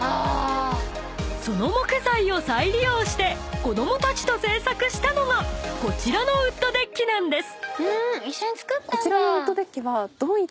［その木材を再利用して子供たちと製作したのがこちらのウッドデッキなんです］